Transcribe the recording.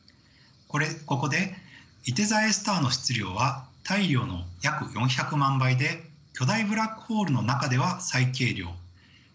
ここでいて座Ａスターの質量は太陽の約４００万倍で巨大ブラックホールの中では最軽量。